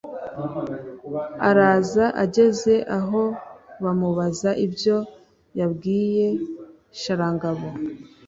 araza, ageze aho bamubaza ibyo yabwiye sharangabo.